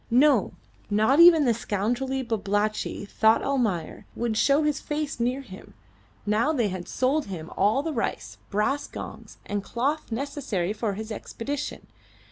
No, not even the scoundrelly Babalatchi, thought Almayer, would show his face near him, now they had sold him all the rice, brass gongs, and cloth necessary for his expedition.